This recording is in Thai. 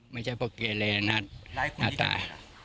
ไม่ใช่เกียร์เลยนะน่าตาย